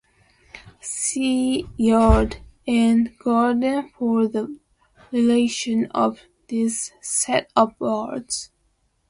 See yard and garden for the relation of this set of words.